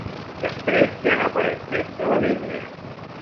Després ja no apareix més a la Bíblia.